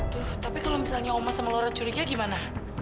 tuh tapi kalau misalnya omas sama laura curignya gimana